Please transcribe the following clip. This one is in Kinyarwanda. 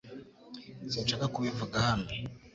Sinshaka kubivuga hano .